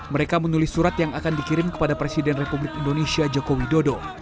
mereka menulis surat yang akan dikirim kepada presiden republik indonesia joko widodo